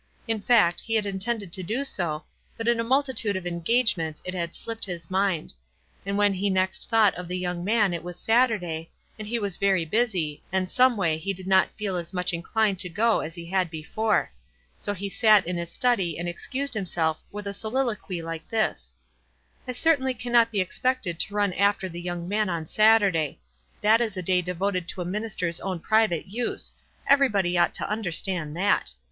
In fact, he had intended to do so, but in a multitude of engagements it had slipped his mind ; and when he next thought of the young man it was Saturday, and he was v«ry busy, and someway he did not feel as much inclined to go as he had before ; so he sat in his study and excused himself with a soliloquy like this :" I certainly cannot be expected to run after the young man on Saturday ; tnat is a day devoted to a minister's own private use — every 234 WISE AND OTHERWISE. body ought to understand that.